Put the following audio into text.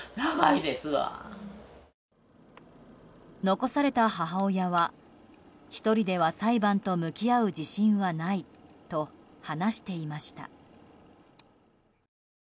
残された母親は、１人では裁判と向き合う自信はないと話していました。